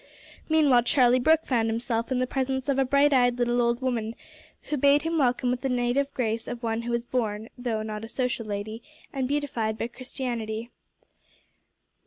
Meanwhile, Charlie Brooke found himself in the presence of a bright eyed little old woman, who bade him welcome with the native grace of one who is a born, though not a social, lady, and beautified by Christianity.